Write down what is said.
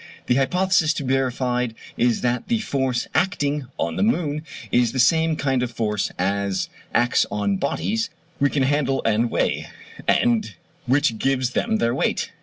The hypothesis to be verified is that the force acting on the moon is the same kind of force as acts on bodies we can handle and weigh, and which gives them their weight.